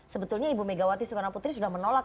sebetulnya ibu megawati sukarnaputri sudah menolak